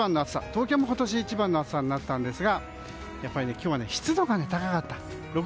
東京も今年一番の暑さになったんですが今日は湿度が高かった。